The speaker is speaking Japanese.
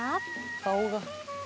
「顔が」